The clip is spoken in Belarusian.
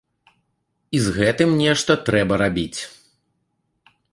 І з гэтым нешта трэба рабіць.